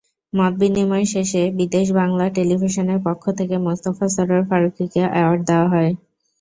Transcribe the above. মতবিনিময় শেষে বিদেশ বাংলা টেলিভিশনের পক্ষ থেকে মোস্তফা সরয়ার ফারুকীকে অ্যাওয়ার্ড দেওয়া হয়।